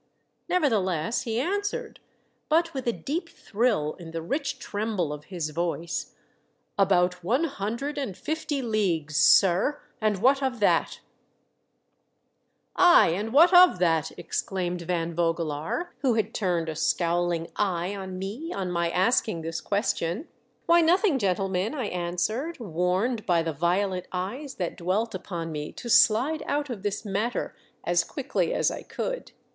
Nevertheless, he answered, but with a deep thrill in the rich tremble of his voice, " About one hundred and fifty leagues, sir ; and what of that ?"" Ay, and what of that ?" exclaimed Van Vogelaar, who had turned a scowling eye on me on my asking this question. "Why, nothing, gentlemen," I answered, warned by the violet eyes that dwelt upon me to slide out of this matter as quickly as I could.